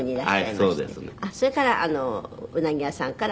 それからうなぎ屋さんから。